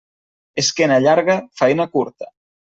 Esquena llarga, faena curta.